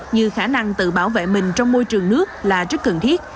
như khả năng tự bảo vệ mình trong môi trường nước là rất cần thiết